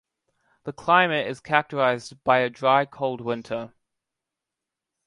The climate is characterised by a dry cold winter.